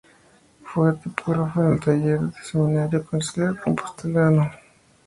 Fue tipógrafo en el taller del Seminario Conciliar compostelano desde los veinte años.